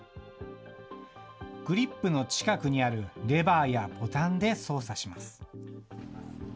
グリップの近くにあるレバーやボタンで操作します。